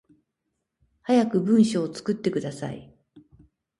早く文章作ってください